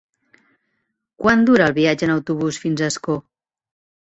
Quant dura el viatge en autobús fins a Ascó?